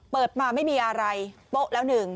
เปิดมาไม่มีอะไรโป๊ะแล้วหนึ่ง